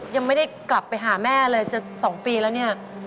ยังไม่ได้กลับไปหาแม่เลยจะ๒ปีแล้วเนี่ย